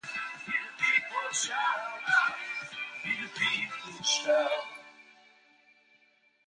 And she has also released several original songs.